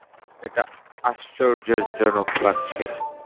এটা আশ্চর্যজনক লাগছে।